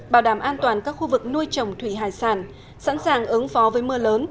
bảo đảm an toàn các khu vực nuôi trồng thủy hải sản sẵn sàng ứng phó với mưa lớn